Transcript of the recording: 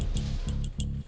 mon solat yuk